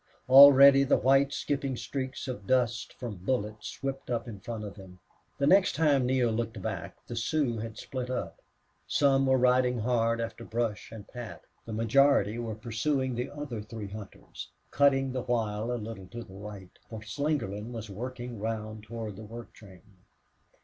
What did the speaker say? Already the white skipping streaks of dust from bullets whipped up in front of him. The next time Neale looked back the Sioux had split up; some were riding hard after Brush and Pat; the majority were pursuing the other three hunters, cutting the while a little to the right, for Slingerland was working round toward the work train.